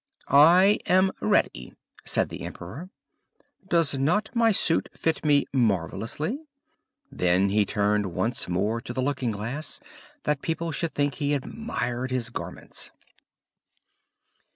"I am ready," said the emperor. "Does not my suit fit me marvellously?" Then he turned once more to the looking glass, that people should think he admired his garments.